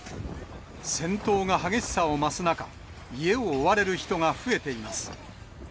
戦闘が激しさを増す中、家を追われる人が増えています。